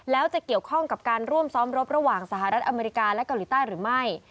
แล้วจะเกี่ยวข้องกับการร่วมซ้อมรบระหว่างสหรัฐอเมริกาและเกาหลีใต้หรือไม่